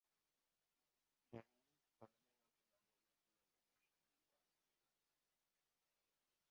jangning g‘alaba yoki mag‘lubiyat bilan tugashi ham ma’lum emas.